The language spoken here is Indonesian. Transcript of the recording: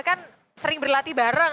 kan sering berlatih bareng